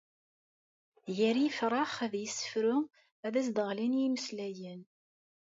Gar yifrax ad yessefru, ad s-d-ɣlin imeslayen.